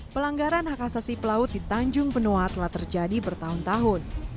pelanggaran hak asasi pelaut di tanjung benoa telah terjadi bertahun tahun